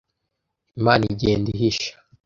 Imana igenda ihisha